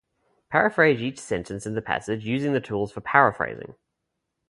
Paraphrase each sentence in the passage using the tools for paraphrasing.